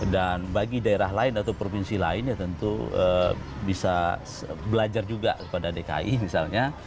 dan bagi daerah lain atau provinsi lain ya tentu bisa belajar juga pada dki misalnya